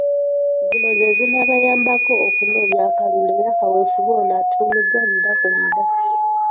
Zino ze zinaabayambako okunoonya akalulu era kaweefube ono atuumiddwa ‘Muda ku Muda’.